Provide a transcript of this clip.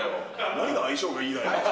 何が相性がいいだよ。